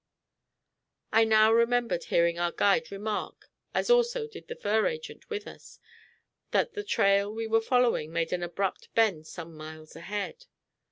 I now remembered hearing our guide remark, as also did the fur agent with us, that the trail we were following made an abrupt bend some miles ahead.